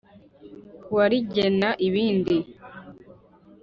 Ku wa rigena ibindi